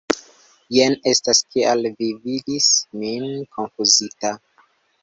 Jen estas kial vi vidis min konfuzita.